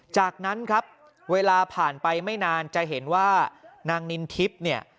จากนั้นครับเวลาผ่านไปไม่นานจะเห็นว่านางนินทิพย์เนี่ย